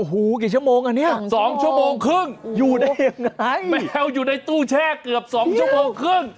หูกี่ชั่วโมงอ่ะเนี่ย๒ชั่วโมงครึ่งอยู่ได้ยังไงแมวอยู่ในตู้แช่เกือบ๒ชั่วโมงครึ่ง